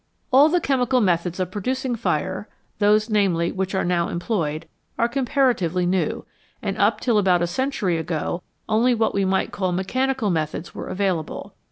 All the chemical methods of producing fire, those, namely, which are now employed, are comparatively new, and up till about a century ago, only what we might call mechanical methods were available.